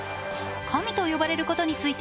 神と呼ばれることについて